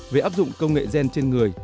về áp dụng công nghệ gen trên người